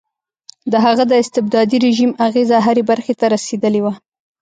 د هغه د استبدادي رژیم اغېزه هرې برخې ته رسېدلې وه.